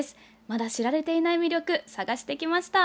まだ知られていない魅力を探してきました。